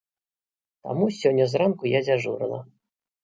Таму сёння зранку я дзяжурыла.